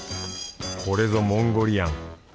これぞモンゴリアン。